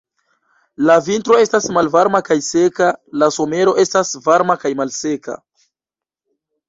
La vintro estas malvarma kaj seka, la somero estas varma kaj malseka.